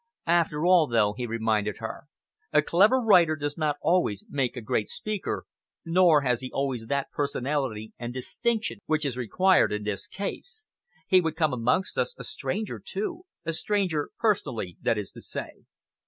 "After all, though," he reminded her, "a clever writer does not always make a great speaker, nor has he always that personality and distinction which is required in this case. He would come amongst us a stranger, too a stranger personally, that is to say."